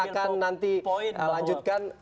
saya akan nanti lanjutkan